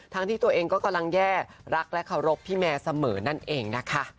ที่ตัวเองก็กำลังแย่รักและเคารพพี่แมร์เสมอนั่นเองนะคะ